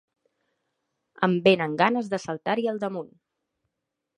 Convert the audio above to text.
Em vénen ganes de saltar-hi al damunt.